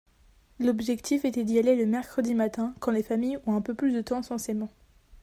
l'objectif était d'y aller le mercredi matin quand les familles ont un peu plus de temps censément.